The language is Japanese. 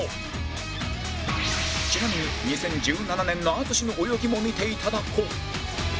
ちなみに２０１７年の淳の泳ぎも見て頂こう